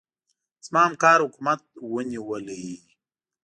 زما همکار حکومت ونيولې.